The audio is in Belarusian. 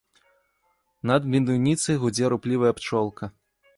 Над медуніцай гудзе руплівая пчолка.